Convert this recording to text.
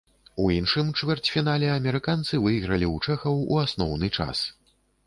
У іншым чвэрцьфінале амерыканцы выйгралі ў чэхаў у асноўны час.